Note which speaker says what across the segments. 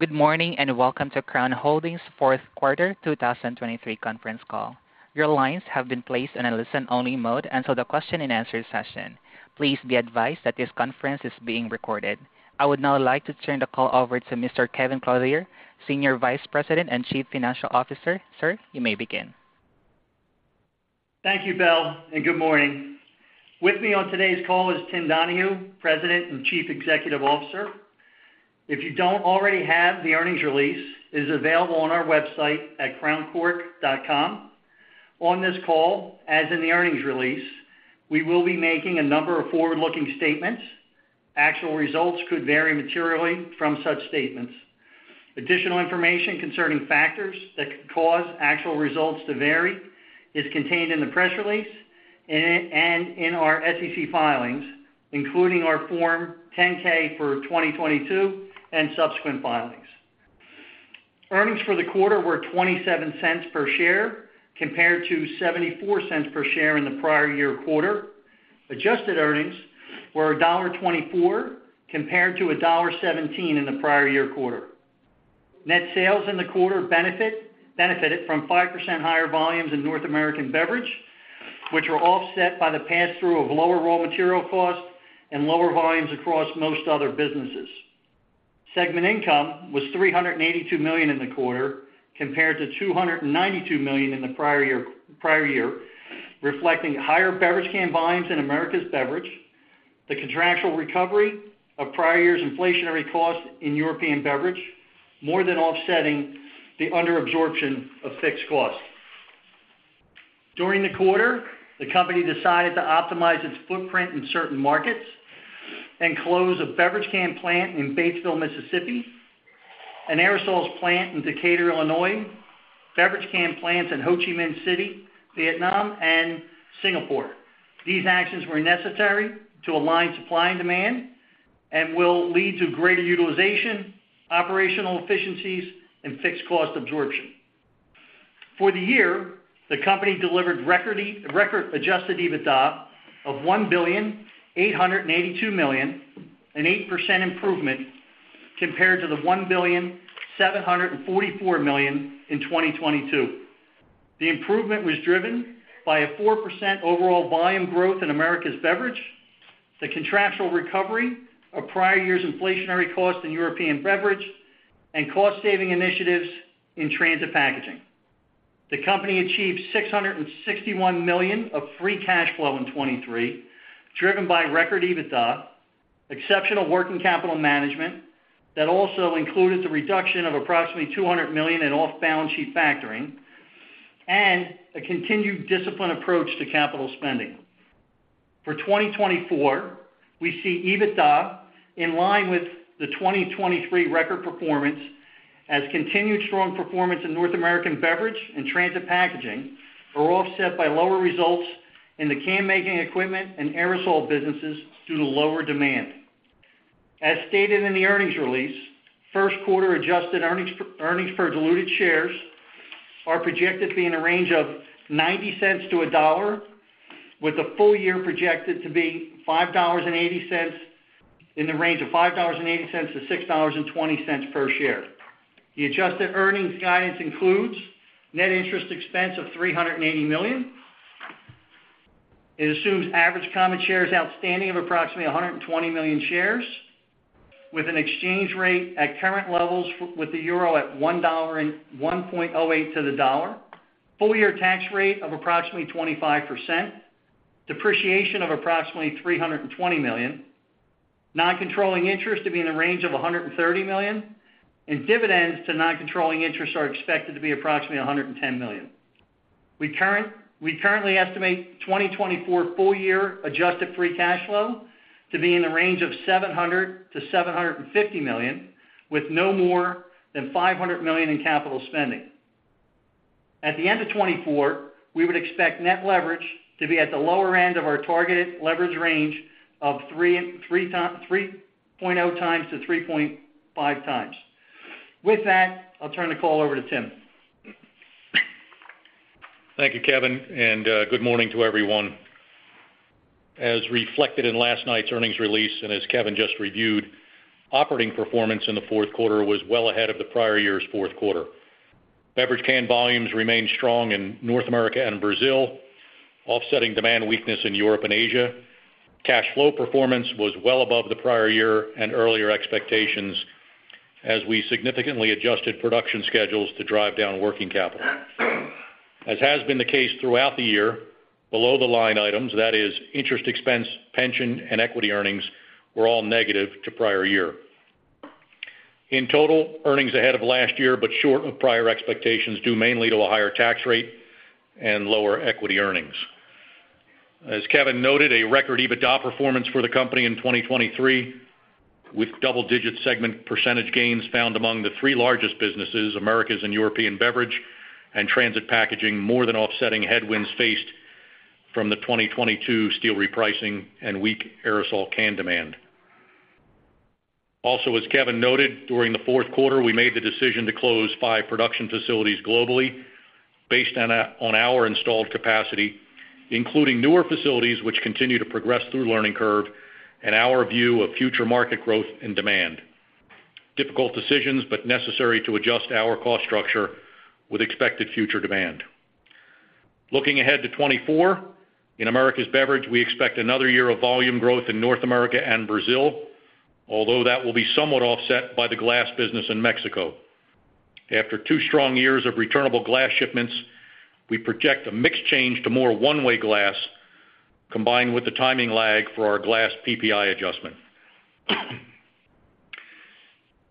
Speaker 1: Good morning, and welcome to Crown Holdings' fourth quarter 2023 conference call. Your lines have been placed in a listen-only mode until the question-and-answer session. Please be advised that this conference is being recorded. I would now like to turn the call over to Mr. Kevin Clothier, Senior Vice President and Chief Financial Officer. Sir, you may begin.
Speaker 2: Thank you, Bill, and good morning. With me on today's call is Tim Donahue, President and Chief Executive Officer. If you don't already have the earnings release, it is available on our website at crowncork.com. On this call, as in the earnings release, we will be making a number of forward-looking statements. Actual results could vary materially from such statements. Additional information concerning factors that could cause actual results to vary is contained in the press release and in our SEC filings, including our Form 10-K for 2022 and subsequent filings. Earnings for the quarter were $0.27 per share, compared to $0.74 per share in the prior year quarter. Adjusted earnings were $1.24, compared to $1.17 in the prior year quarter. Net sales in the quarter benefited from 5% higher volumes in North American Beverage, which were offset by the pass-through of lower raw material costs and lower volumes across most other businesses. Segment income was $382 million in the quarter, compared to $292 million in the prior year, reflecting higher beverage can volumes in Americas Beverage, the contractual recovery of prior years' inflationary costs in European Beverage, more than offsetting the under absorption of fixed costs. During the quarter, the company decided to optimize its footprint in certain markets and close a beverage can plant in Batesville, Mississippi, an aerosols plant in Decatur, Illinois, beverage can plants in Ho Chi Minh City, Vietnam, and Singapore. These actions were necessary to align supply and demand and will lead to greater utilization, operational efficiencies, and fixed cost absorption. For the year, the company delivered record adjusted EBITDA of $1,882 million, an 8% improvement compared to the $1,744 million in 2022. The improvement was driven by a 4% overall volume growth in Americas Beverage, the contractual recovery of prior years' inflationary costs in European Beverage, and cost-saving initiatives in transit packaging. The company achieved $661 million of free cash flow in 2023, driven by record EBITDA, exceptional working capital management that also included the reduction of approximately $200 million in off-balance sheet factoring, and a continued disciplined approach to capital spending. For 2024, we see EBITDA in line with the 2023 record performance, as continued strong performance in North American Beverage and Transit Packaging are offset by lower results in the can-making equipment and aerosol businesses due to lower demand. As stated in the earnings release, first quarter adjusted earnings, earnings per diluted shares are projected to be in a range of $0.90-$1.00, with the full year projected to be $5.80, in the range of $5.80-$6.20 per share. The adjusted earnings guidance includes net interest expense of $380 million. It assumes average common shares outstanding of approximately 120 million shares, with an exchange rate at current levels, with the Euro at $1 and 1.08 to the dollar, full-year tax rate of approximately 25%, depreciation of approximately $320 million, non-controlling interest to be in the range of $130 million, and dividends to non-controlling interests are expected to be approximately $110 million. We currently estimate 2024 full-year adjusted free cash flow to be in the range of $700 million-$750 million, with no more than $500 million in capital spending. At the end of 2024, we would expect net leverage to be at the lower end of our targeted leverage range of 3.0x-3.5x. With that, I'll turn the call over to Tim.
Speaker 3: Thank you, Kevin, and good morning to everyone. As reflected in last night's earnings release, and as Kevin just reviewed, operating performance in the fourth quarter was well ahead of the prior year's fourth quarter. Beverage can volumes remained strong in North America and Brazil, offsetting demand weakness in Europe and Asia. Cash flow performance was well above the prior year and earlier expectations as we significantly adjusted production schedules to drive down working capital. As has been the case throughout the year, below-the-line items, that is, interest expense, pension, and equity earnings, were all negative to prior year. In total, earnings ahead of last year, but short of prior expectations, due mainly to a higher tax rate and lower equity earnings. As Kevin noted, a record EBITDA performance for the company in 2023, with double-digit segment percentage gains found among the three largest businesses, Americas and European Beverage and Transit Packaging, more than offsetting headwinds faced from the 2022 steel repricing and weak aerosol can demand. Also, as Kevin noted, during the fourth quarter, we made the decision to close 5 production facilities globally, based on our installed capacity, including newer facilities which continue to progress through learning curve and our view of future market growth and demand. Difficult decisions, but necessary to adjust our cost structure with expected future demand. Looking ahead to 2024, in Americas Beverage, we expect another year of volume growth in North America and Brazil, although that will be somewhat offset by the glass business in Mexico. After two strong years of returnable glass shipments, we project a mix change to more one-way glass, combined with the timing lag for our glass PPI adjustment.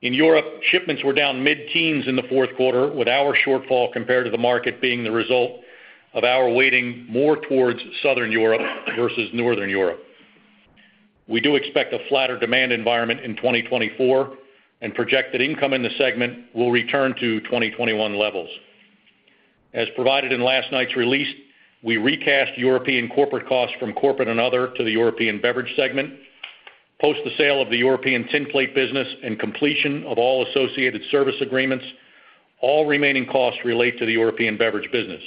Speaker 3: In Europe, shipments were down mid-teens in the fourth quarter, with our shortfall compared to the market being the result of our weighting more towards Southern Europe versus Northern Europe. We do expect a flatter demand environment in 2024, and projected income in the segment will return to 2021 levels. As provided in last night's release, we recast European corporate costs from corporate and other to the European Beverage segment. Post the sale of the European tin plate business and completion of all associated service agreements, all remaining costs relate to the European Beverage business.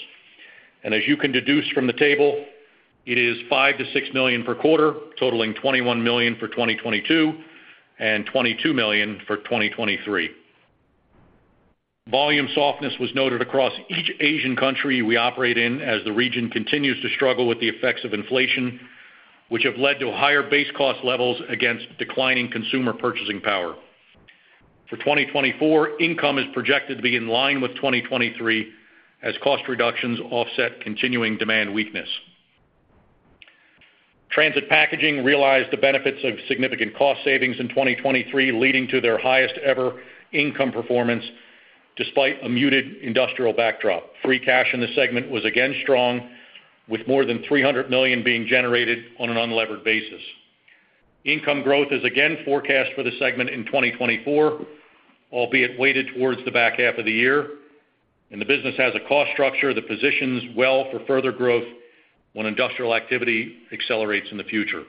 Speaker 3: As you can deduce from the table, it is $5 million-$6 million per quarter, totaling $21 million for 2022, and $22 million for 2023. Volume softness was noted across each Asian country we operate in, as the region continues to struggle with the effects of inflation, which have led to higher base cost levels against declining consumer purchasing power. For 2024, income is projected to be in line with 2023 as cost reductions offset continuing demand weakness. Transit Packaging realized the benefits of significant cost savings in 2023, leading to their highest ever income performance, despite a muted industrial backdrop. Free cash in this segment was again strong, with more than $300 million being generated on an unlevered basis. Income growth is again forecast for the segment in 2024, albeit weighted towards the back half of the year, and the business has a cost structure that positions well for further growth when industrial activity accelerates in the future.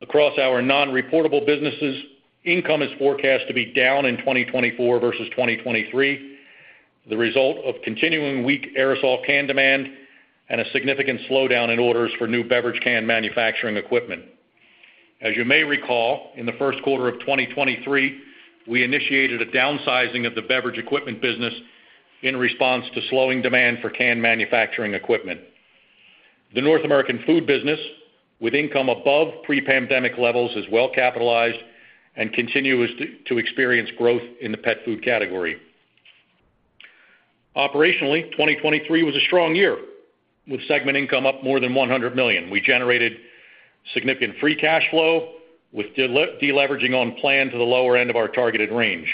Speaker 3: Across our non-reportable businesses, income is forecast to be down in 2024 versus 2023, the result of continuing weak aerosol can demand and a significant slowdown in orders for new beverage can manufacturing equipment. As you may recall, in the first quarter of 2023, we initiated a downsizing of the beverage equipment business in response to slowing demand for can manufacturing equipment. The North American food business, with income above pre-pandemic levels, is well capitalized and continues to experience growth in the pet food category. Operationally, 2023 was a strong year, with segment income up more than $100 million. We generated significant free cash flow, with de-leveraging on plan to the lower end of our targeted range.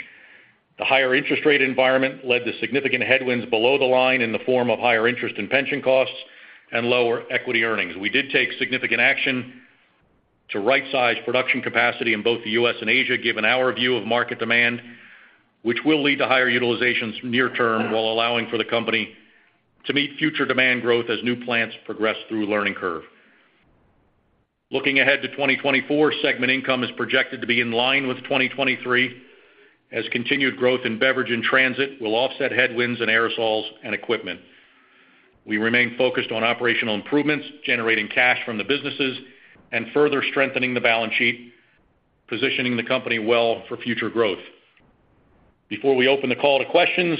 Speaker 3: The higher interest rate environment led to significant headwinds below the line in the form of higher interest and pension costs and lower equity earnings. We did take significant action to right-size production capacity in both the U.S. and Asia, given our view of market demand, which will lead to higher utilizations near term, while allowing for the company to meet future demand growth as new plants progress through learning curve. Looking ahead to 2024, segment income is projected to be in line with 2023, as continued growth in beverage and transit will offset headwinds in aerosols and equipment. We remain focused on operational improvements, generating cash from the businesses and further strengthening the balance sheet, positioning the company well for future growth. Before we open the call to questions,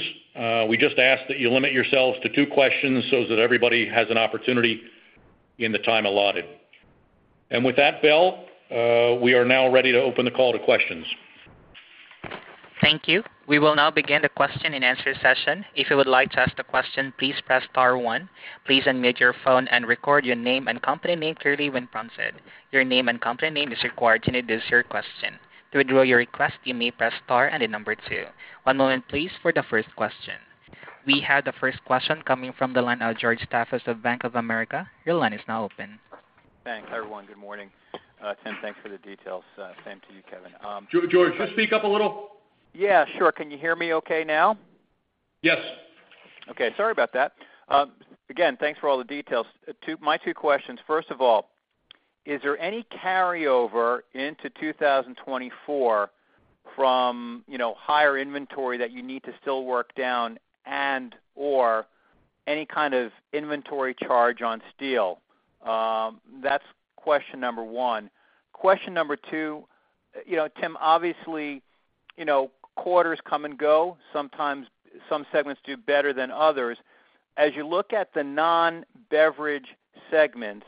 Speaker 3: we just ask that you limit yourselves to two questions so that everybody has an opportunity in the time allotted. With that, Bill, we are now ready to open the call to questions.
Speaker 1: Thank you. We will now begin the question and answer session. If you would like to ask a question, please press star one. Please unmute your phone and record your name and company name clearly when prompted. Your name and company name is required to introduce your question. To withdraw your request, you may press star and the number two. One moment, please, for the first question. We have the first question coming from the line of George Staphos of Bank of America. Your line is now open.
Speaker 4: Thanks, everyone. Good morning. Tim, thanks for the details. Same to you, Kevin.
Speaker 3: George, just speak up a little.
Speaker 4: Yeah, sure. Can you hear me okay now?
Speaker 3: Yes.
Speaker 4: Okay. Sorry about that. Again, thanks for all the details. My two questions: first of all, is there any carryover into 2024 from, you know, higher inventory that you need to still work down and/or any kind of inventory charge on steel? That's question number one. Question number two: you know, Tim, obviously, you know, quarters come and go. Sometimes some segments do better than others. As you look at the non-beverage segments,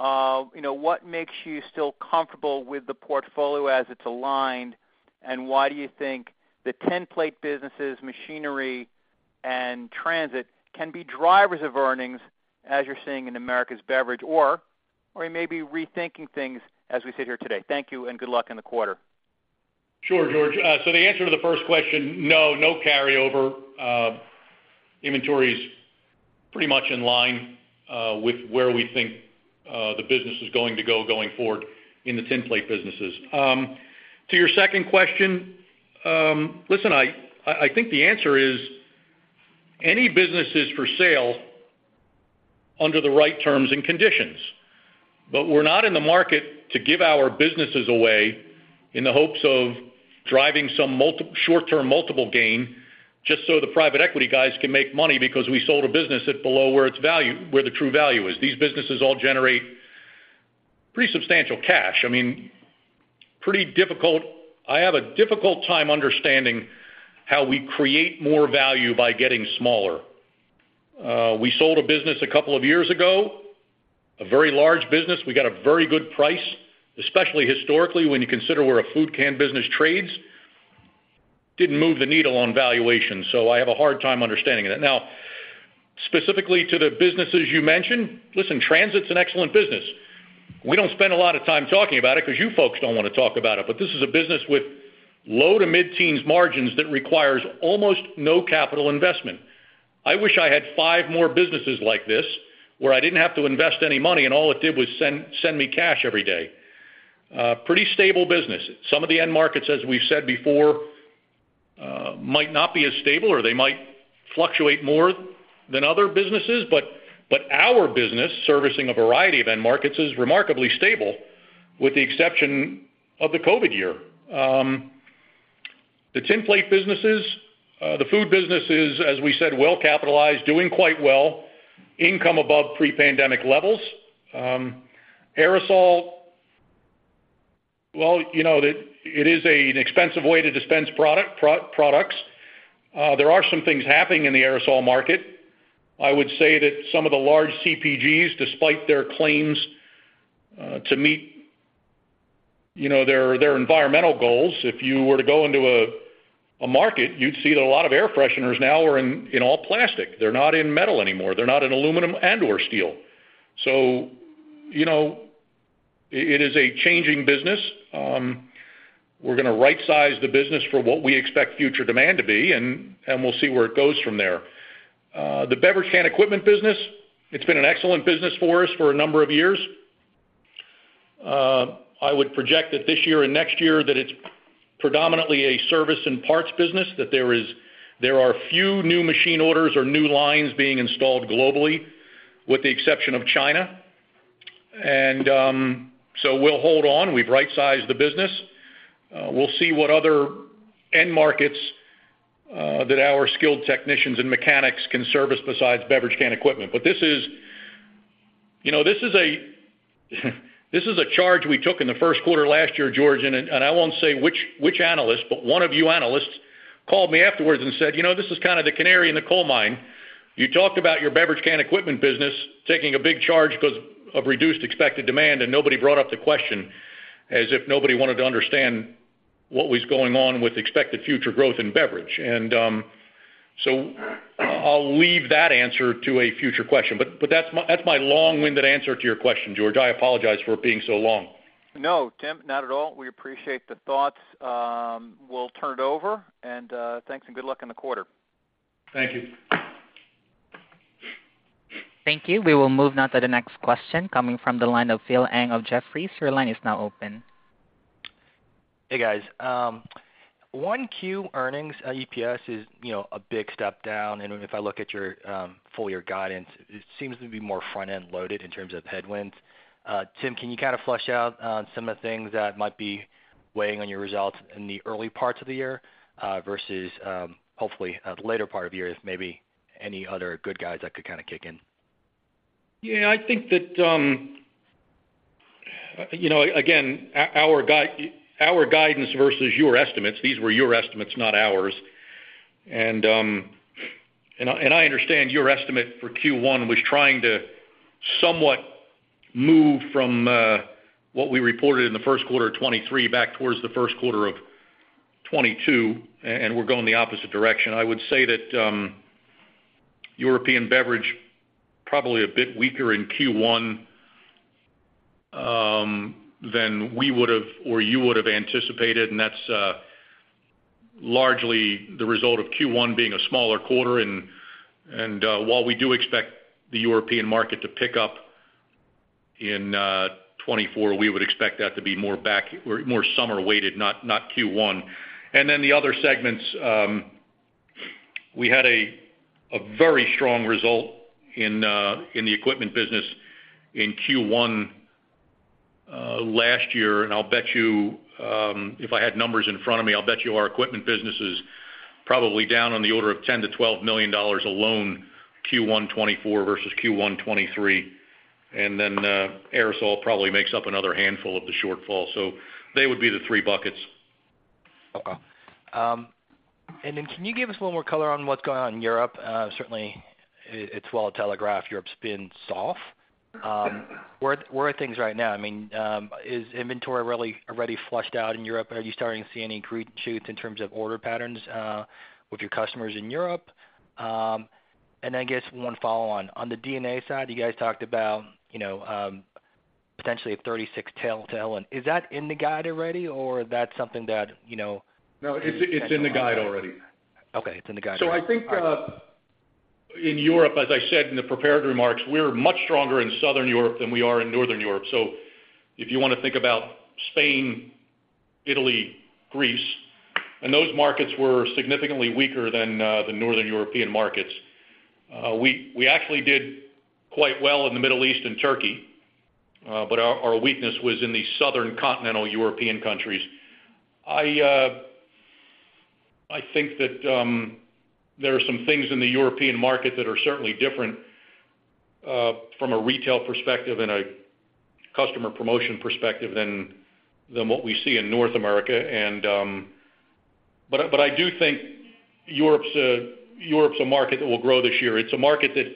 Speaker 4: you know, what makes you still comfortable with the portfolio as it's aligned? And why do you think the tin plate businesses, machinery, and transit can be drivers of earnings, as you're seeing in Americas Beverage, or you may be rethinking things as we sit here today? Thank you, and good luck in the quarter.
Speaker 3: Sure, George. So the answer to the first question, no, no carryover. Inventory is pretty much in line with where we think the business is going to go going forward in the tin plate businesses. To your second question, listen, I think the answer is any business is for sale under the right terms and conditions. But we're not in the market to give our businesses away in the hopes of driving some short-term multiple gain, just so the private equity guys can make money because we sold a business at below where its value, where the true value is. These businesses all generate pretty substantial cash. I mean, pretty difficult. I have a difficult time understanding how we create more value by getting smaller. We sold a business a couple of years ago, a very large business. We got a very good price, especially historically, when you consider where a food can business trades. Didn't move the needle on valuation, so I have a hard time understanding it. Now, specifically to the businesses you mentioned, listen, transit's an excellent business. We don't spend a lot of time talking about it because you folks don't want to talk about it, but this is a business with low- to mid-teens margins that requires almost no capital investment. I wish I had five more businesses like this, where I didn't have to invest any money, and all it did was send, send me cash every day. Pretty stable business. Some of the end markets, as we've said before, might not be as stable or they might fluctuate more than other businesses, but our business, servicing a variety of end markets, is remarkably stable, with the exception of the COVID year. The tin plate businesses, the food business is, as we said, well capitalized, doing quite well, income above pre-pandemic levels. Aerosol, well, you know, it is an expensive way to dispense products. There are some things happening in the aerosol market. I would say that some of the large CPGs, despite their claims to meet, you know, their environmental goals, if you were to go into a market, you'd see that a lot of air fresheners now are in all plastic. They're not in metal anymore. They're not in aluminum and/or steel. So you know, it is a changing business. We're gonna rightsize the business for what we expect future demand to be, and, and we'll see where it goes from there. The beverage can equipment business, it's been an excellent business for us for a number of years. I would project that this year and next year, that it's predominantly a service and parts business, that there are few new machine orders or new lines being installed globally, with the exception of China. And so we'll hold on. We've rightsized the business. We'll see what other end markets that our skilled technicians and mechanics can service besides beverage can equipment. But this is, you know, this is a charge we took in the first quarter last year, George, and I won't say which analyst, but one of you analysts called me afterwards and said, "You know, this is kind of the canary in the coal mine. You talked about your beverage can equipment business taking a big charge because of reduced expected demand, and nobody brought up the question, as if nobody wanted to understand what was going on with expected future growth in beverage." And so I'll leave that answer to a future question, but that's my long-winded answer to your question, George. I apologize for it being so long.
Speaker 4: No, Tim, not at all. We appreciate the thoughts. We'll turn it over, and thanks and good luck in the quarter.
Speaker 3: Thank you.
Speaker 1: Thank you. We will move now to the next question, coming from the line of Philip Ng of Jefferies. Your line is now open.
Speaker 5: Hey, guys. 1Q earnings, EPS is, you know, a big step down, and if I look at your full year guidance, it seems to be more front-end loaded in terms of headwinds. Tim, can you kind of flesh out on some of the things that might be weighing on your results in the early parts of the year, versus, hopefully, the later part of the year, if maybe any other good guys that could kind of kick in?
Speaker 3: Yeah, I think that, you know, again, our guidance versus your estimates, these were your estimates, not ours. And I understand your estimate for Q1 was trying to somewhat move from what we reported in the first quarter of 2023, back towards the first quarter of 2022, and we're going the opposite direction. I would say that European beverage probably a bit weaker in Q1 than we would've, or you would've anticipated, and that's largely the result of Q1 being a smaller quarter. And while we do expect the European market to pick up in 2024, we would expect that to be more back, more summer-weighted, not Q1. And then the other segments, we had a very strong result in the equipment business in Q1 last year. I'll bet you, if I had numbers in front of me, I'll bet you our equipment business is probably down on the order of $10 million-$12 million alone, Q1 2024 versus Q1 2023. And then, aerosol probably makes up another handful of the shortfall. So they would be the three buckets.
Speaker 5: Okay. And then, can you give us a little more color on what's going on in Europe? Certainly, it's well telegraphed, Europe's been soft. Where are things right now? I mean, is inventory really already flushed out in Europe, or are you starting to see any green shoots in terms of order patterns with your customers in Europe? And then, I guess one follow-on. On the D&A side, you guys talked about, you know, potentially a 30 cent tailwind. Is that in the guide already, or that's something that, you know-
Speaker 3: No, it's in the guide already.
Speaker 5: Okay, it's in the guide already.
Speaker 3: So I think in Europe, as I said in the prepared remarks, we're much stronger in Southern Europe than we are in Northern Europe. So if you want to think about Italy, Greece, and those markets were significantly weaker than the Northern European markets. We actually did quite well in the Middle East and Turkey, but our weakness was in the southern continental European countries. I think that there are some things in the European market that are certainly different from a retail perspective and a customer promotion perspective than what we see in North America. But I do think Europe's a market that will grow this year. It's a market that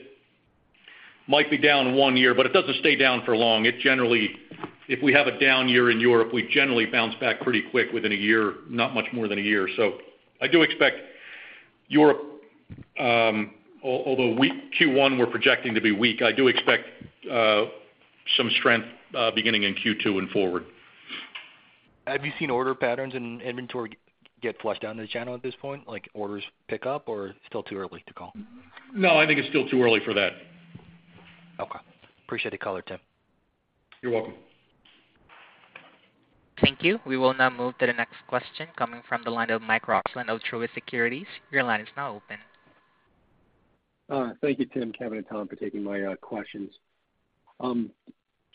Speaker 3: might be down one year, but it doesn't stay down for long. It generally, if we have a down year in Europe, we generally bounce back pretty quick within a year, not much more than a year. I do expect Europe, although weak Q1, we're projecting to be weak. I do expect some strength beginning in Q2 and forward.
Speaker 5: Have you seen order patterns and inventory get flushed down to the channel at this point, like orders pick up, or still too early to call?
Speaker 3: No, I think it's still too early for that.
Speaker 5: Okay. Appreciate the color, Tim.
Speaker 3: You're welcome.
Speaker 1: Thank you. We will now move to the next question coming from the line of Michael Roxland of Truist Securities. Your line is now open.
Speaker 6: Thank you, Tim, Kevin, and Tom, for taking my questions.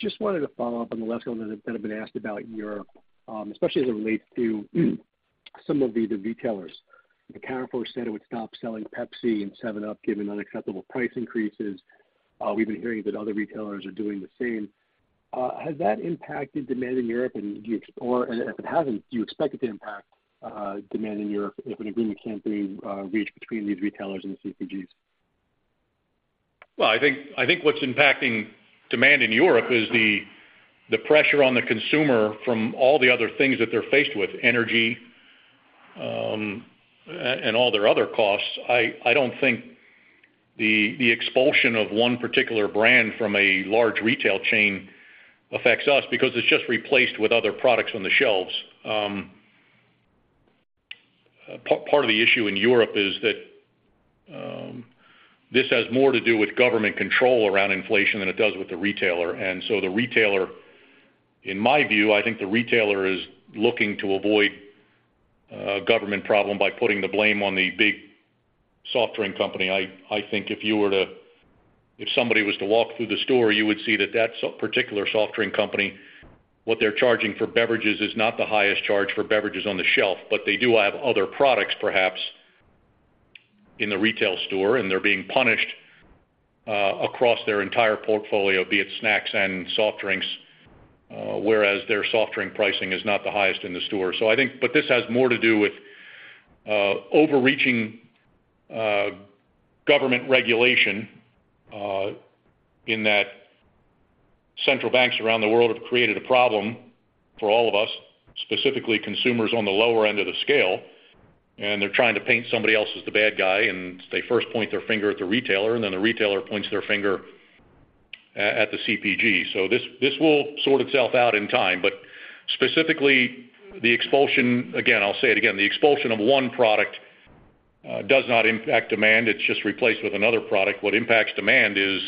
Speaker 6: Just wanted to follow up on the last one that have been asked about Europe, especially as it relates to some of the retailers. The Carrefour said it would stop selling Pepsi and 7Up, given unacceptable price increases. We've been hearing that other retailers are doing the same. Has that impacted demand in Europe, and do you or if it hasn't, do you expect it to impact demand in Europe if an agreement can't be reached between these retailers and the CPGs?
Speaker 3: Well, I think what's impacting demand in Europe is the pressure on the consumer from all the other things that they're faced with, energy, and all their other costs. I don't think the expulsion of one particular brand from a large retail chain affects us because it's just replaced with other products on the shelves. Part of the issue in Europe is that this has more to do with government control around inflation than it does with the retailer. And so the retailer, in my view, I think the retailer is looking to avoid a government problem by putting the blame on the big soft drink company. I think if somebody was to walk through the store, you would see that that particular soft drink company, what they're charging for beverages is not the highest charge for beverages on the shelf, but they do have other products, perhaps, in the retail store, and they're being punished across their entire portfolio, be it snacks and soft drinks, whereas their soft drink pricing is not the highest in the store. So I think, but this has more to do with overreaching government regulation in that central banks around the world have created a problem for all of us, specifically consumers on the lower end of the scale, and they're trying to paint somebody else as the bad guy, and they first point their finger at the retailer, and then the retailer points their finger at the CPG. So this will sort itself out in time, but specifically, the expulsion, again, I'll say it again, the expulsion of one product does not impact demand. It's just replaced with another product. What impacts demand is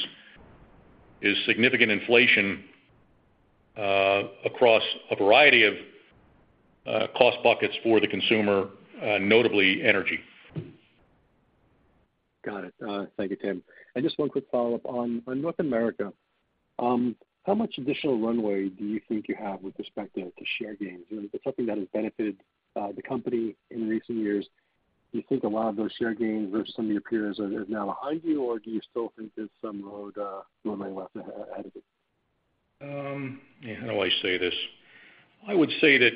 Speaker 3: significant inflation across a variety of cost buckets for the consumer, notably energy.
Speaker 6: Got it. Thank you, Tim. Just one quick follow-up. On North America, how much additional runway do you think you have with respect to share gains? It's something that has benefited the company in recent years. Do you think a lot of those share gains versus some of your peers is now behind you, or do you still think there's some road runway left ahead of you?
Speaker 3: How do I say this? I would say that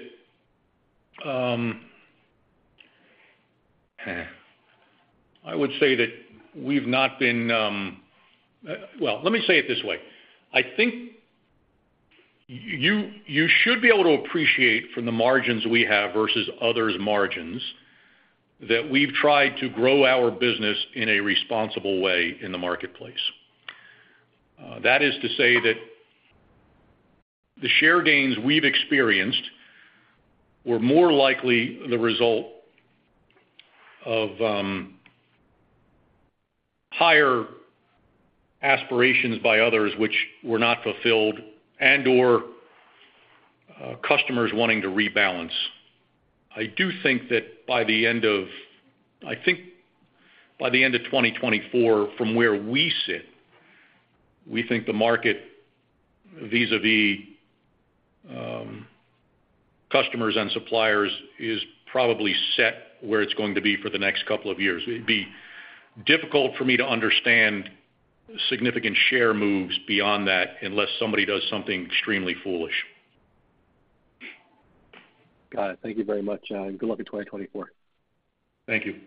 Speaker 3: we've not been... Well, let me say it this way: I think you should be able to appreciate from the margins we have versus others' margins, that we've tried to grow our business in a responsible way in the marketplace. That is to say that the share gains we've experienced were more likely the result of higher aspirations by others, which were not fulfilled and/or customers wanting to rebalance. I do think that by the end of, I think by the end of 2024, from where we sit, we think the market, vis-à-vis, customers and suppliers, is probably set where it's going to be for the next couple of years. It'd be difficult for me to understand significant share moves beyond that, unless somebody does something extremely foolish.
Speaker 6: Got it. Thank you very much, and good luck in 2024.
Speaker 3: Thank you.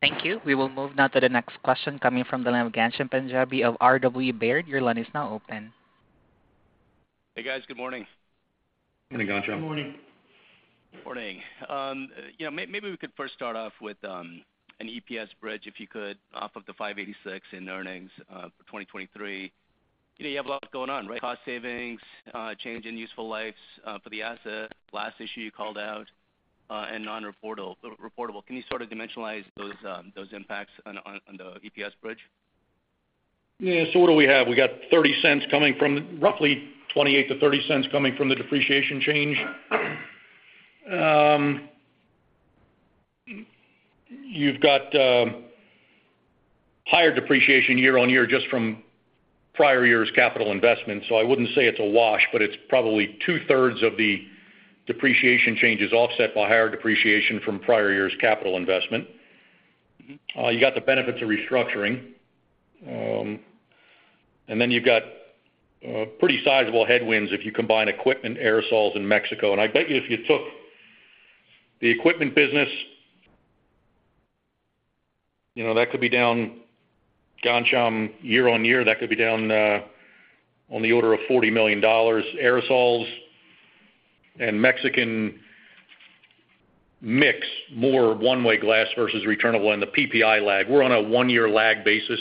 Speaker 1: Thank you. We will move now to the next question coming from the line of Ghansham Panjabi of R.W. Baird. Your line is now open.
Speaker 7: Hey, guys. Good morning.
Speaker 3: Good morning, Ghansham.
Speaker 2: Good morning.
Speaker 7: Morning. Yeah, maybe we could first start off with an EPS bridge, if you could, off of the $0.586 in earnings for 2023. You know, you have a lot going on, right? Cost savings, change in useful lives for the asset, last issue you called out, and non-reportable, reportable. Can you sort of dimensionalize those impacts on the EPS bridge?
Speaker 3: Yeah, so what do we have? We got $0.30 coming from, roughly $0.28-$0.30 coming from the depreciation change. You've got higher depreciation year-on-year just from prior years' capital investment. So I wouldn't say it's a wash, but it's probably two-thirds of the depreciation changes offset by higher depreciation from prior years' capital investment. You got the benefits of restructuring. And then you've got pretty sizable headwinds if you combine equipment, aerosols, and Mexico. And I bet you if you took the equipment business, you know, that could be down, Ghansham, year-on-year, that could be down on the order of $40 million. Aerosols and Mexican mix, more one-way glass versus returnable, and the PPI lag. We're on a one year lag basis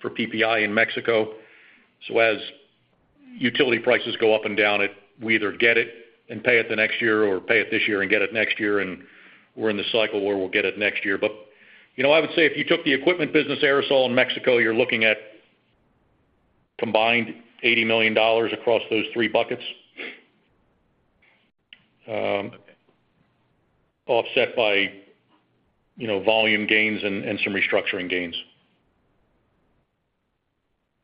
Speaker 3: for PPI in Mexico. So as utility prices go up and down, it, we either get it and pay it the next year or pay it this year and get it next year, and we're in the cycle where we'll get it next year. But, you know, I would say if you took the equipment business, aerosol, and Mexico, you're looking at combined $80 million across those three buckets.
Speaker 7: Okay.
Speaker 3: Offset by, you know, volume gains and some restructuring gains.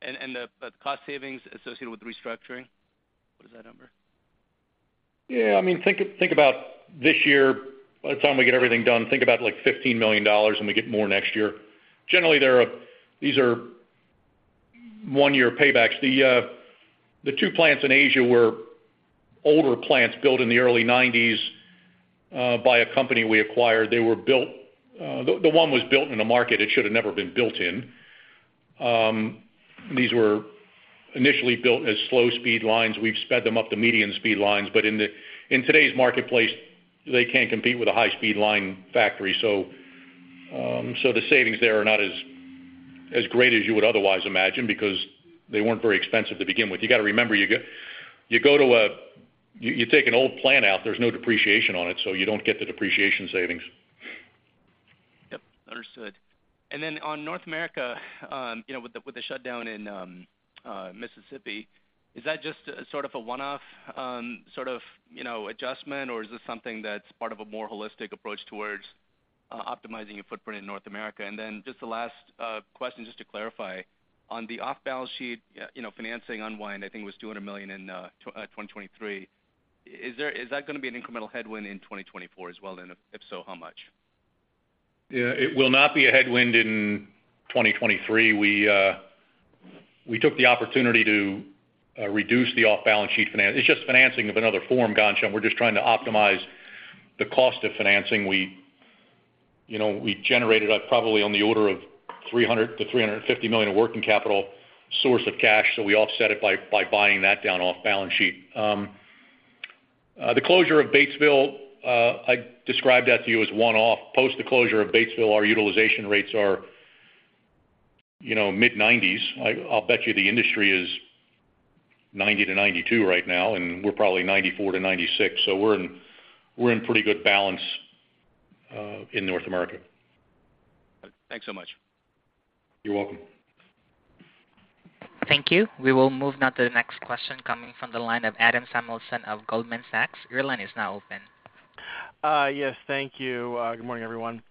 Speaker 7: The cost savings associated with the restructuring, what is that number?
Speaker 3: Yeah, I mean, think about this year. By the time we get everything done, think about, like, $15 million, and we get more next year. Generally, they're a. These are one-year paybacks. The two plants in Asia were older plants built in the early 1990s by a company we acquired. They were built. The one was built in a market it should have never been built in. These were initially built as slow-speed lines. We've sped them up to median speed lines, but in today's marketplace, they can't compete with a high-speed line factory. So, the savings there are not as great as you would otherwise imagine because they weren't very expensive to begin with. You gotta remember, you go to a, you take an old plant out, there's no depreciation on it, so you don't get the depreciation savings.
Speaker 7: Yep, understood. And then on North America, you know, with the shutdown in Mississippi, is that just sort of a one-off, sort of, you know, adjustment, or is this something that's part of a more holistic approach towards optimizing your footprint in North America? And then just the last question, just to clarify, on the off-balance sheet, you know, financing unwind, I think it was $200 million in 2023, is there, is that gonna be an incremental headwind in 2024 as well? And if so, how much?
Speaker 3: Yeah, it will not be a headwind in 2023. We, we took the opportunity to reduce the off-balance sheet finance. It's just financing of another form, Ghansham. We're just trying to optimize the cost of financing. We, you know, we generated, probably on the order of $300 million-$350 million of working capital source of cash, so we offset it by, by buying that down off balance sheet. The closure of Batesville, I described that to you as one-off. Post the closure of Batesville, our utilization rates are, you know, mid-90s%. I'll bet you the industry is 90-92% right now, and we're probably 94-96%. So we're in, we're in pretty good balance, in North America.
Speaker 7: Thanks so much.
Speaker 3: You're welcome.
Speaker 1: Thank you. We will move now to the next question coming from the line of Adam Samuelson of Goldman Sachs. Your line is now open.
Speaker 8: Yes, thank you. Good morning, everyone.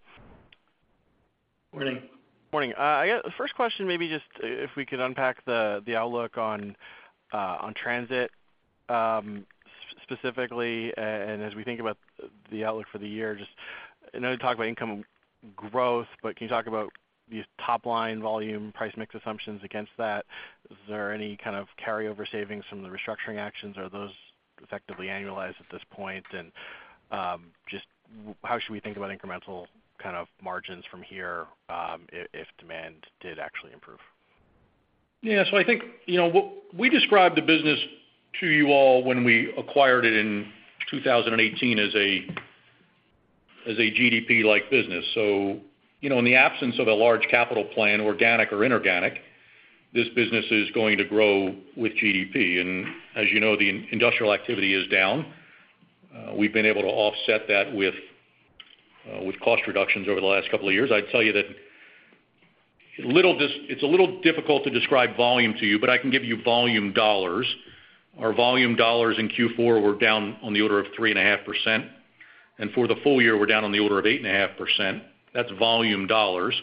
Speaker 3: Morning.
Speaker 8: Morning. I got first question, maybe just if we could unpack the outlook on transit specifically, and as we think about the outlook for the year, just, I know you talked about income growth, but can you talk about the top-line volume, price mix assumptions against that? Is there any kind of carryover savings from the restructuring actions, or are those effectively annualized at this point? And just how should we think about incremental kind of margins from here, if demand did actually improve?
Speaker 3: Yeah. So I think, you know, what we described the business to you all when we acquired it in 2018 as a, as a GDP-like business. So, you know, in the absence of a large capital plan, organic or inorganic, this business is going to grow with GDP. And as you know, the industrial activity is down. We've been able to offset that with cost reductions over the last couple of years. I'd tell you that it's a little difficult to describe volume to you, but I can give you volume dollars. Our volume dollars in Q4 were down on the order of 3.5%, and for the full year, we're down on the order of 8.5%. That's volume dollars.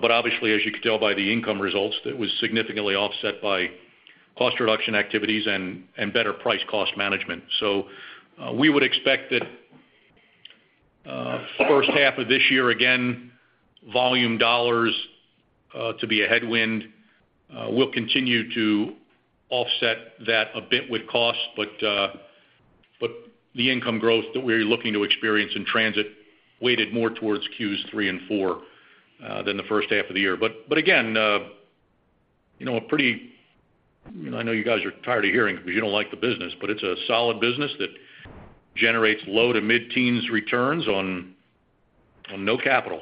Speaker 3: But obviously, as you can tell by the income results, that was significantly offset by cost reduction activities and better price cost management. So, we would expect that first half of this year, again, volume dollars to be a headwind. We'll continue to offset that a bit with cost, but the income growth that we're looking to experience in transit weighted more towards Q3 and four than the first half of the year. But again, you know, a pretty. You know, I know you guys are tired of hearing because you don't like the business, but it's a solid business that generates low to mid-teens returns on no capital.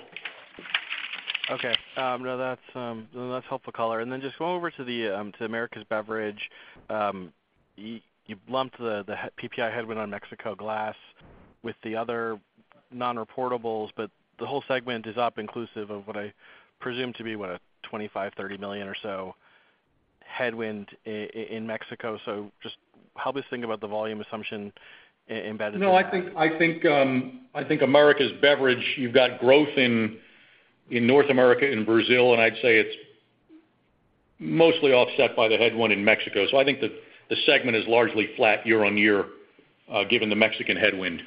Speaker 8: Okay. No, that's helpful color. And then just going over to the Americas Beverage, you lumped the PPI headwind on Mexico glass with the other non-reportables, but the whole segment is up inclusive of what I presume to be, what, a $25-$30 million or so headwind in Mexico. So just help us think about the volume assumption embedded in that.
Speaker 3: No, I think Americas Beverage, you've got growth in North America and Brazil, and I'd say it's mostly offset by the headwind in Mexico. So I think the segment is largely flat year-over-year, given the Mexican headwind.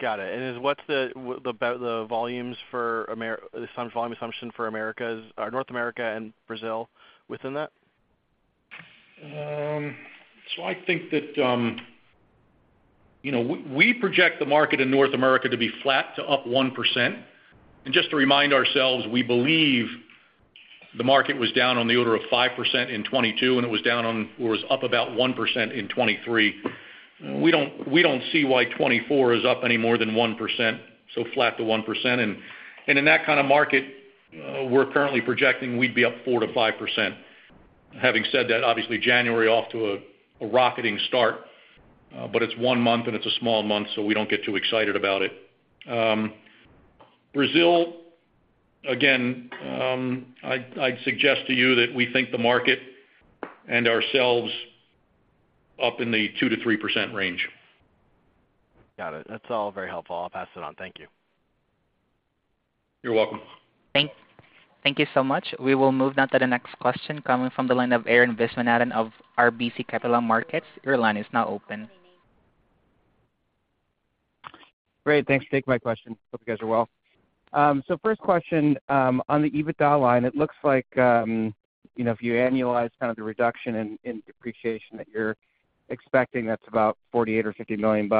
Speaker 8: Got it. And then what's the volumes for Americas, the volume assumption for Americas, North America and Brazil within that?
Speaker 3: I think that, you know, we project the market in North America to be flat to up 1%. Just to remind ourselves, we believe the market was down on the order of 5% in 2022, and it was down on or was up about 1% in 2023. We don't see why 2024 is up any more than 1%, so flat to 1%. In that kind of market, we're currently projecting we'd be up 4%-5%. Having said that, obviously, January off to a rocketing start, but it's one month and it's a small month, so we don't get too excited about it. Brazil, again, I'd suggest to you that we think the market and ourselves up in the 2%-3% range.
Speaker 8: Got it. That's all very helpful. I'll pass it on. Thank you.
Speaker 3: You're welcome.
Speaker 1: Thank you so much. We will move now to the next question coming from the line of Arun Viswanathan of RBC Capital Markets. Your line is now open.
Speaker 9: Great, thanks. Take my question. Hope you guys are well. So first question, on the EBITDA line, it looks like, you know, if you annualize kind of the reduction in depreciation that you're expecting, that's about $48 million or $50 million.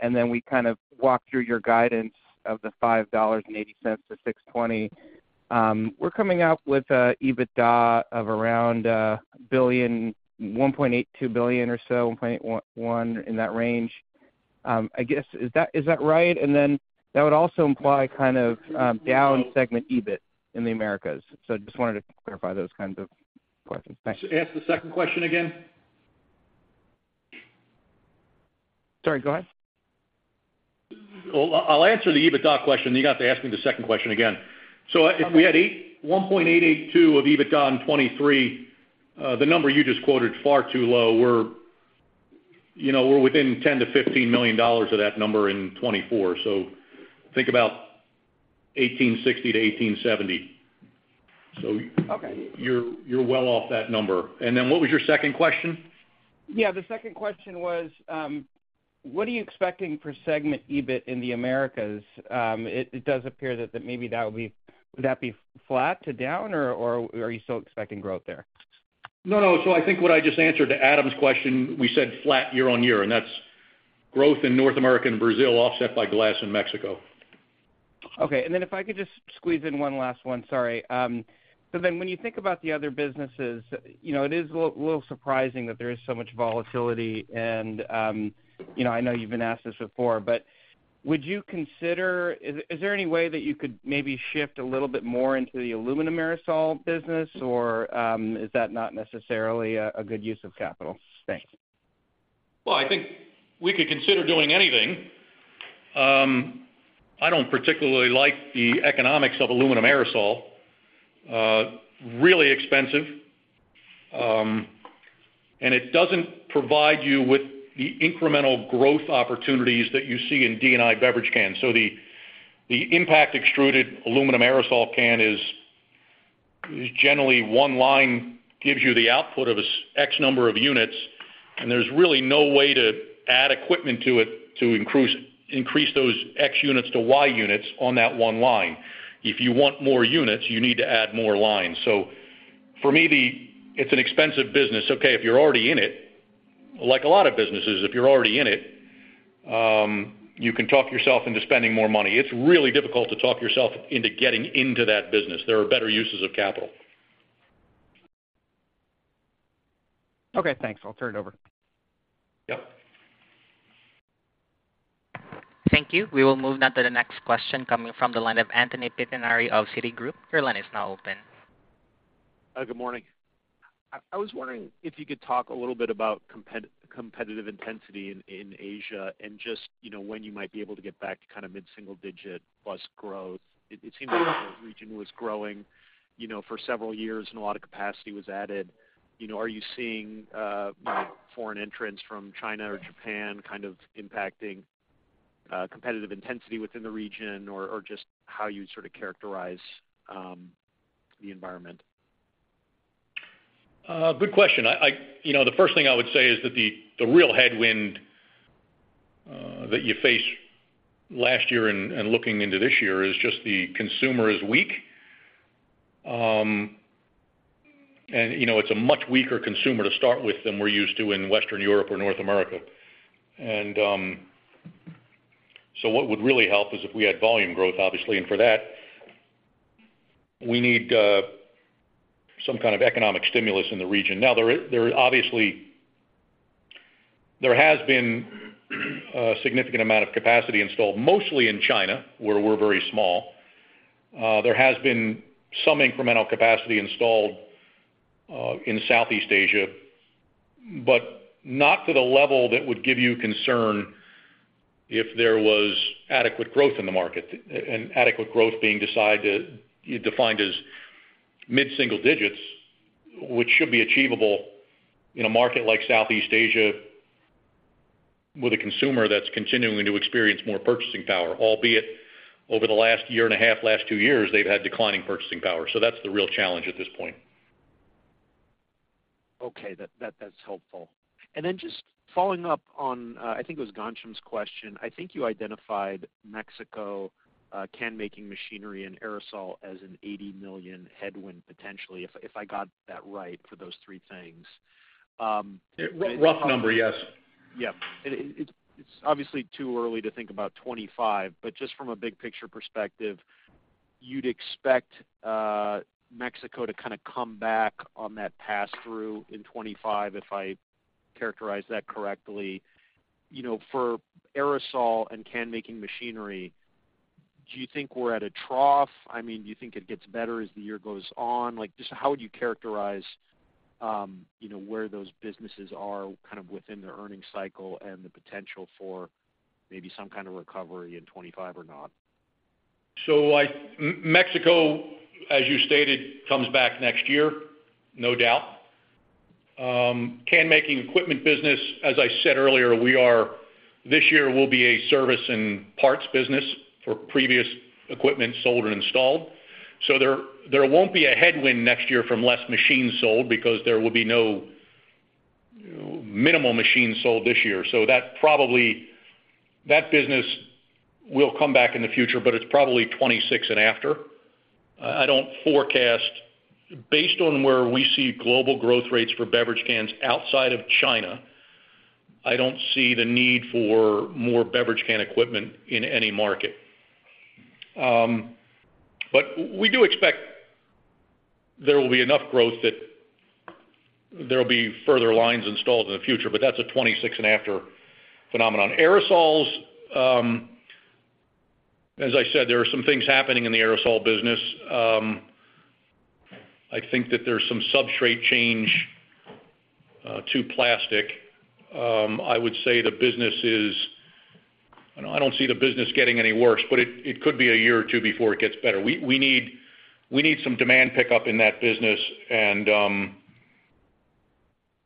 Speaker 9: And then we kind of walk through your guidance of the $580-$620. We're coming out with EBITDA of around $1.82 billion or so, $1.1 billion in that range. I guess, is that right? And then that would also imply kind of down segment EBIT in the Americas. So just wanted to clarify those kinds of questions. Thanks.
Speaker 3: Ask the second question again.
Speaker 9: Sorry, go ahead.
Speaker 3: Well, I'll answer the EBITDA question, then you're gonna have to ask me the second question again. If we had $1.882 billion of EBITDA in 2023, the number you just quoted is far too low. We're, you know, we're within $10 million-$15 million of that number in 2024, so think about $1.86 billion-$1.87 billion.
Speaker 9: Okay.
Speaker 3: You're well off that number. And then what was your second question?
Speaker 9: Yeah, the second question was, what are you expecting for segment EBIT in the Americas? It does appear that maybe that would be. Would that be flat to down, or are you still expecting growth there?
Speaker 3: No, no. So I think what I just answered to Adam's question, we said flat year-over-year, and that's growth in North America and Brazil, offset by Glass in Mexico.
Speaker 9: Okay, and then if I could just squeeze in one last one, sorry. So then when you think about the other businesses, you know, it is a little, little surprising that there is so much volatility and, you know, I know you've been asked this before, but would you consider? Is there any way that you could maybe shift a little bit more into the aluminum aerosol business, or is that not necessarily a good use of capital? Thanks.
Speaker 3: Well, I think we could consider doing anything. I don't particularly like the economics of aluminum aerosol. Really expensive, and it doesn't provide you with the incremental growth opportunities that you see in D&I beverage cans. So the impact extruded aluminum aerosol can is generally one line, gives you the output of an X number of units, and there's really no way to add equipment to it to increase those X units to Y units on that one line. If you want more units, you need to add more lines. So for me, it's an expensive business. Okay, if you're already in it, like a lot of businesses, you can talk yourself into spending more money. It's really difficult to talk yourself into getting into that business. There are better uses of capital.
Speaker 9: Okay, thanks. I'll turn it over.
Speaker 3: Yep.
Speaker 1: Thank you. We will move now to the next question coming from the line of Anthony Pettinari of Citigroup. Your line is now open.
Speaker 10: Good morning. I was wondering if you could talk a little bit about competitive intensity in Asia and just, you know, when you might be able to get back to kind of mid-single digit plus growth. It seemed like the region was growing, you know, for several years and a lot of capacity was added. You know, are you seeing, you know, foreign entrants from China or Japan kind of impacting competitive intensity within the region? Or just how you'd sort of characterize the environment?
Speaker 3: Good question. You know, the first thing I would say is that the real headwind that you faced last year and looking into this year is just the consumer is weak. And you know, it's a much weaker consumer to start with than we're used to in Western Europe or North America. And so what would really help is if we had volume growth, obviously, and for that we need some kind of economic stimulus in the region. Now, there has been a significant amount of capacity installed, mostly in China, where we're very small. There has been some incremental capacity installed in Southeast Asia but not to the level that would give you concern if there was adequate growth in the market, and adequate growth being decided, defined as mid-single digits, which should be achievable in a market like Southeast Asia, with a consumer that's continuing to experience more purchasing power, albeit over the last year and a half, last two years, they've had declining purchasing power. So that's the real challenge at this point.
Speaker 10: Okay, that's helpful. And then just following up on, I think it was Ghansham's question. I think you identified Mexico, can-making machinery and aerosol as an $80 million headwind, potentially, if I got that right for those three things?
Speaker 3: Rough number, yes.
Speaker 10: Yeah. It's obviously too early to think about 2025, but just from a big picture perspective, you'd expect Mexico to kind of come back on that pass-through in 2025, if I characterized that correctly. You know, for aerosol and can-making machinery, do you think we're at a trough? I mean, do you think it gets better as the year goes on? Like, just how would you characterize you know, where those businesses are kind of within their earnings cycle and the potential for maybe some kind of recovery in 2025 or not?
Speaker 3: So Mexico, as you stated, comes back next year, no doubt. Can-making equipment business, as I said earlier, This year will be a service and parts business for previous equipment sold and installed. So there won't be a headwind next year from less machines sold because there will be no minimal machines sold this year. So that business will come back in the future, but it's probably 2026 and after. I don't forecast, based on where we see global growth rates for beverage cans outside of China, I don't see the need for more beverage can equipment in any market. But we do expect there will be enough growth that there will be further lines installed in the future, but that's a 2026 and after phenomenon. Aerosols, as I said, there are some things happening in the aerosol business. I think that there's some substrate change to plastic. I would say the business is. I don't see the business getting any worse, but it, it could be a year or two before it gets better. We, we need, we need some demand pickup in that business, and,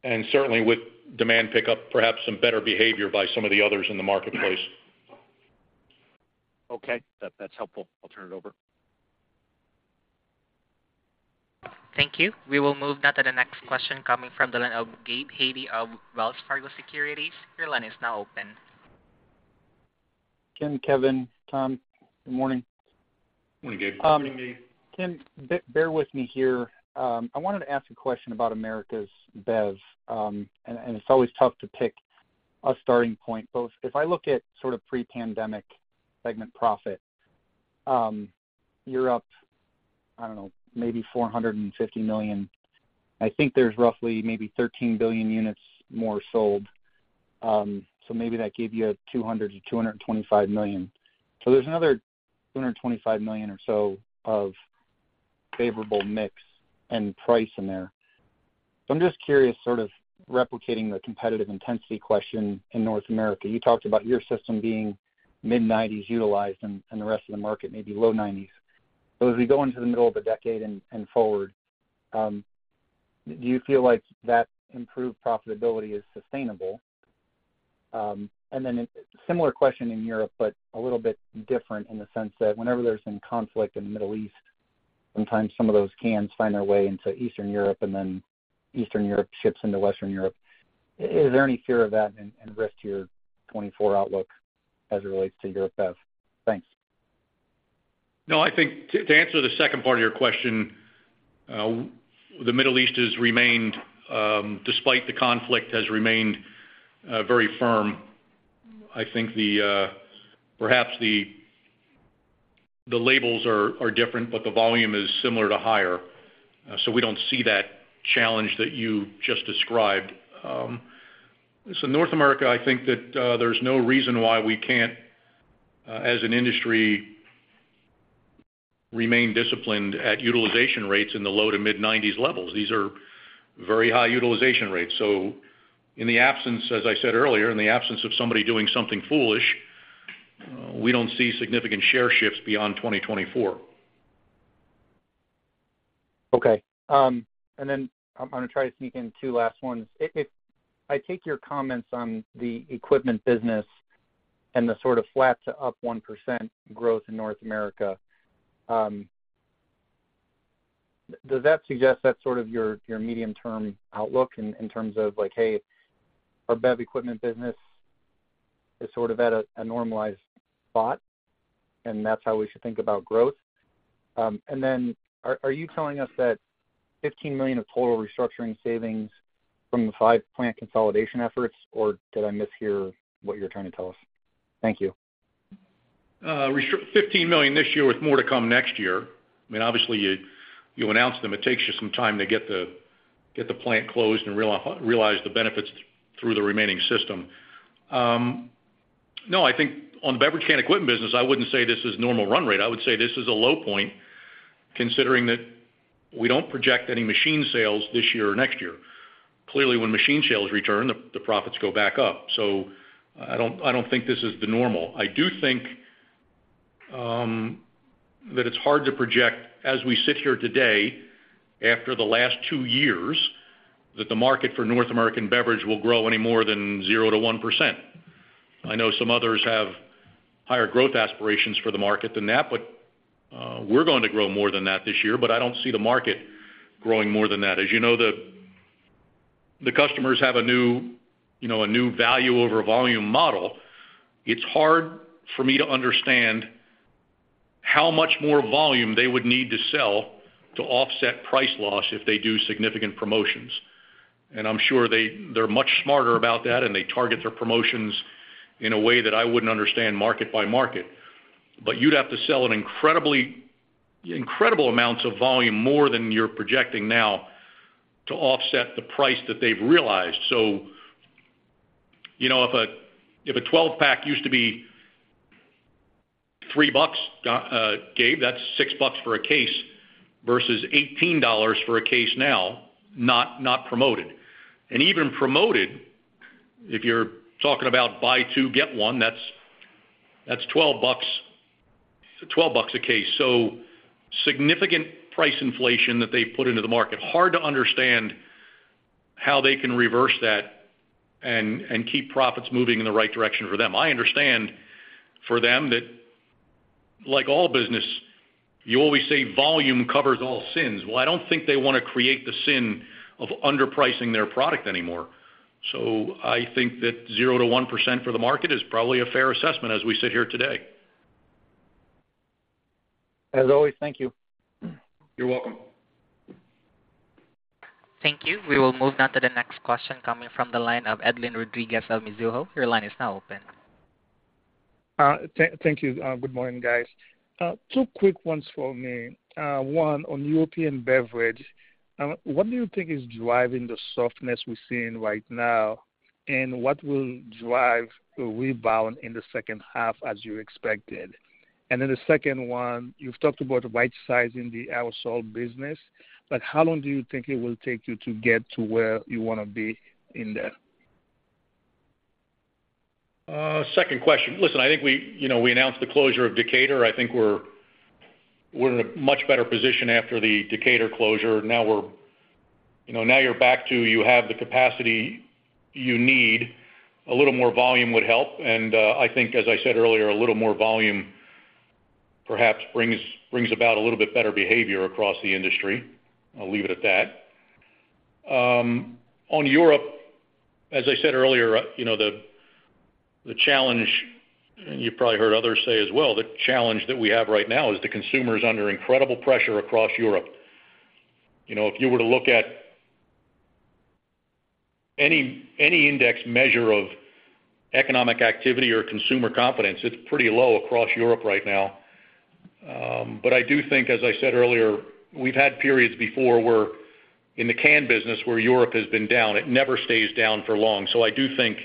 Speaker 3: and certainly with demand pickup, perhaps some better behavior by some of the others in the marketplace.
Speaker 10: Okay, that, that's helpful. I'll turn it over.
Speaker 1: Thank you. We will move now to the next question coming from the line of Gabe Hajde of Wells Fargo Securities. Your line is now open.
Speaker 11: Tim, Kevin, Tom, good morning.
Speaker 3: Good morning, Gabe.
Speaker 2: Good morning, Gabe.
Speaker 11: Tim, bear with me here. I wanted to ask a question about Americas Bev. It's always tough to pick a starting point, but if I look at sort of pre-pandemic segment profit, you're up, I don't know, maybe $450 million. I think there's roughly maybe 13 billion units more sold, so maybe that gave you a $200 million-$225 million. So there's another $225 million or so of favorable mix and price in there. So I'm just curious, sort of replicating the competitive intensity question in North America. You talked about your system being mid-90s utilized, and the rest of the market, maybe low 90s. So as we go into the middle of the decade and forward, do you feel like that improved profitability is sustainable? And then similar question in Europe, but a little bit different in the sense that whenever there's some conflict in the Middle East, sometimes some of those cans find their way into Eastern Europe, and then Eastern Europe ships into Western Europe. Is there any fear of that and risk to your 2024 outlook as it relates to Europe Bev? Thanks.
Speaker 3: No, I think to answer the second part of your question, the Middle East has remained, despite the conflict, has remained very firm. I think perhaps the labels are different, but the volume is similar to higher, so we don't see that challenge that you just described. So North America, I think that there's no reason why we can't, as an industry, remain disciplined at utilization rates in the low- to mid-90s levels. These are very high utilization rates. So in the absence, as I said earlier, in the absence of somebody doing something foolish, we don't see significant share shifts beyond 2024.
Speaker 11: Okay. And then I'm gonna try to sneak in two last ones. If I take your comments on the equipment business and the sort of flat to up 1% growth in North America, does that suggest that's sort of your medium-term outlook in terms of like, hey, our Bev equipment business is sort of at a normalized spot, and that's how we should think about growth? And then are you telling us that $15 million of total restructuring savings from the five-plant consolidation efforts, or did I mishear what you're trying to tell us? Thank you.
Speaker 3: Restructuring $15 million this year, with more to come next year. I mean, obviously, you announce them, it takes you some time to get the plant closed and realize the benefits through the remaining system. No, I think on the beverage can equipment business, I wouldn't say this is normal run rate. I would say this is a low point, considering that we don't project any machine sales this year or next year. Clearly, when machine sales return, the profits go back up. So I don't think this is the normal. I do think that it's hard to project as we sit here today, after the last two years, that the market for North American beverage will grow any more than 0%-1%. I know some others have higher growth aspirations for the market than that, but we're going to grow more than that this year, but I don't see the market growing more than that. As you know, the customers have a new, you know, a new value over volume model. It's hard for me to understand how much more volume they would need to sell to offset price loss if they do significant promotions. And I'm sure they're much smarter about that, and they target their promotions in a way that I wouldn't understand market by market. But you'd have to sell an incredible amounts of volume, more than you're projecting now, to offset the price that they've realized. So, you know, if a 12-pack used to be $3, Gabe, that's $6 for a case, versus $18 for a case now, not promoted. And even promoted, if you're talking about buy two, get one, that's $12, $12 a case. So significant price inflation that they put into the market, hard to understand how they can reverse that and keep profits moving in the right direction for them. I understand for them that, like all business, you always say volume covers all sins. Well, I don't think they wanna create the sin of underpricing their product anymore. So I think that 0%-1% for the market is probably a fair assessment as we sit here today.
Speaker 11: As always, thank you.
Speaker 3: You're welcome.
Speaker 1: Thank you. We will move now to the next question, coming from the line of Edlain Rodriguez of Mizuho. Your line is now open.
Speaker 12: Thank you. Good morning, guys. Two quick ones for me. One, on European beverage, what do you think is driving the softness we're seeing right now? And what will drive a rebound in the second half, as you expected? And then the second one, you've talked about rightsizing the aerosol business, but how long do you think it will take you to get to where you wanna be in there?
Speaker 3: Second question. Listen, I think we, you know, we announced the closure of Decatur. I think we're in a much better position after the Decatur closure. Now we're, you know, now you're back to, you have the capacity you need. A little more volume would help, and I think, as I said earlier, a little more volume perhaps brings about a little bit better behavior across the industry. I'll leave it at that. On Europe, as I said earlier, you know, the challenge, and you've probably heard others say as well, the challenge that we have right now is the consumer is under incredible pressure across Europe. You know, if you were to look at any index measure of economic activity or consumer confidence, it's pretty low across Europe right now. But I do think, as I said earlier, we've had periods before where in the canned business where Europe has been down, it never stays down for long. So I do think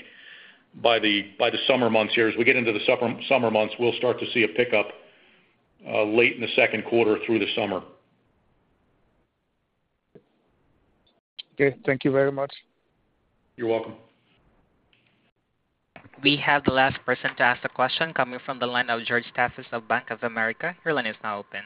Speaker 3: by the summer months here, as we get into the summer months, we'll start to see a pickup late in the second quarter through the summer.
Speaker 12: Okay. Thank you very much.
Speaker 3: You're welcome.
Speaker 1: We have the last person to ask the question, coming from the line of George Staphos of Bank of America. Your line is now open.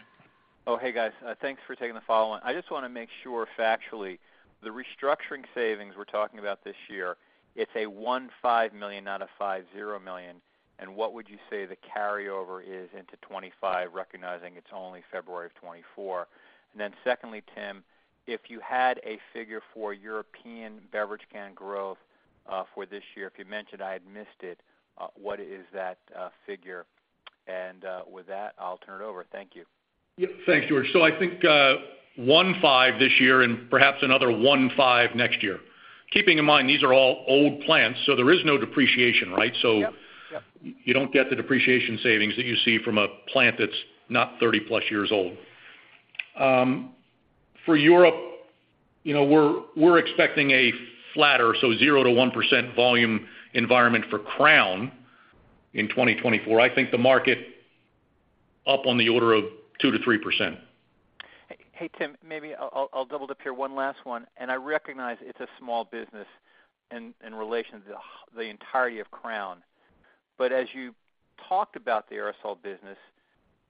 Speaker 4: Oh, hey, guys, thanks for taking the follow on. I just wanna make sure factually, the restructuring savings we're talking about this year, it's $15 million, not $50 million. And what would you say the carryover is into 2025, recognizing it's only February of 2024? And then secondly, Tim, if you had a figure for European beverage can growth, for this year, if you mentioned I had missed it, what is that, figure? And, with that, I'll turn it over. Thank you.
Speaker 3: Yep. Thanks, George. So I think, 15 this year and perhaps another 15 next year. Keeping in mind, these are all old plants, so there is no depreciation, right?
Speaker 4: Yep, yep.
Speaker 3: So you don't get the depreciation savings that you see from a plant that's not 30+ years old. For Europe, you know, we're expecting a flatter, so 0%-1% volume environment for Crown in 2024. I think the market up on the order of 2%-3%.
Speaker 4: Hey, Tim, maybe I'll, I'll double dip here, one last one, and I recognize it's a small business in relation to the entirety of Crown. But as you talked about the aerosol business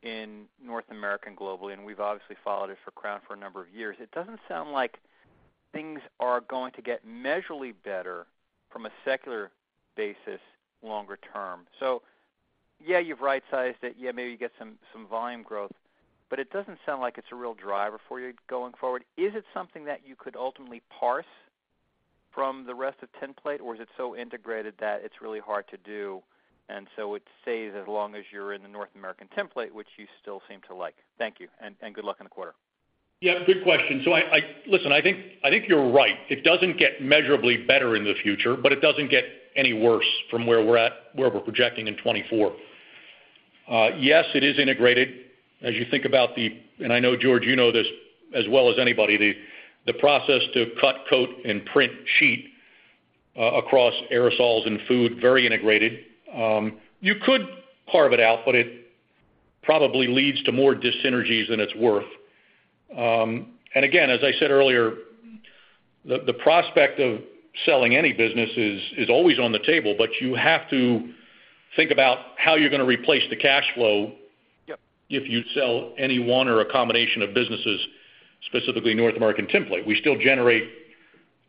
Speaker 4: in North America and globally, and we've obviously followed it for Crown for a number of years, it doesn't sound like things are going to get measurably better from a secular basis, longer term. So yeah, you've rightsized it. Yeah, maybe you get some volume growth, but it doesn't sound like it's a real driver for you going forward. Is it something that you could ultimately parse from the rest of the metal, or is it so integrated that it's really hard to do, and so it stays as long as you're in the North American metal, which you still seem to like? Thank you, and good luck in the quarter.
Speaker 3: Yeah, good question. So listen, I think you're right. It doesn't get measurably better in the future, but it doesn't get any worse from where we're at, where we're projecting in 2024. Yes, it is integrated. As you think about the. And I know, George, you know this as well as anybody, the process to cut, coat, and print sheet across aerosols and food, very integrated. You could carve it out, but it probably leads to more dyssynergies than it's worth. And again, as I said earlier, the prospect of selling any business is always on the table, but you have to think about how you're gonna replace the cash flow if you sell any one or a combination of businesses, specifically North American tinplate. We still generate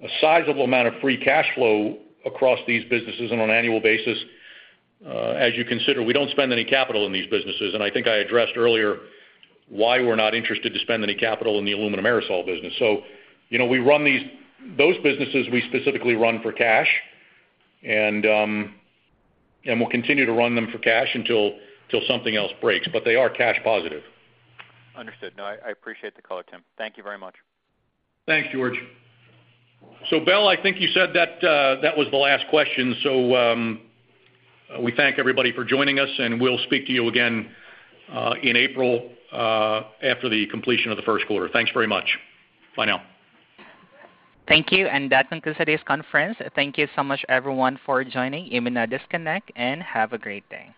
Speaker 3: a sizable amount of free cash flow across these businesses and on an annual basis. As you consider, we don't spend any capital in these businesses, and I think I addressed earlier why we're not interested to spend any capital in the aluminum aerosol business. So you know, we run these, those businesses, we specifically run for cash, and, and we'll continue to run them for cash until, till something else breaks, but they are cash positive.
Speaker 4: Understood. No, I appreciate the call, Tim. Thank you very much.
Speaker 3: Thanks, George. So, Bell, I think you said that that was the last question, so, we thank everybody for joining us, and we'll speak to you again, in April, after the completion of the first quarter. Thanks very much. Bye now.
Speaker 1: Thank you, and that concludes today's conference. Thank you so much, everyone, for joining. You may now disconnect and have a great day.